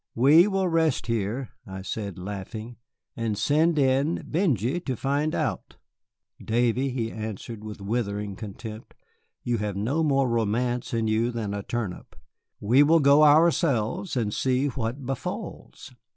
"We will rest here," I said, laughing, "and send in Benjy to find out." "Davy," he answered, with withering contempt, "you have no more romance in you than a turnip. We will go ourselves and see what befalls."